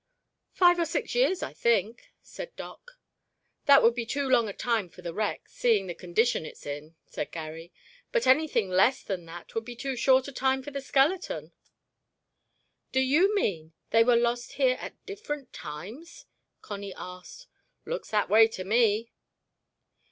"Five or six years, I think," said Doc. "That would be too long a time for the wreck, seeing the condition it's in," said Garry, "but anything less than that would be too short a time for the skeleton." "Do you mean they were lost here at different times?" Connie asked. "Looks that way to me."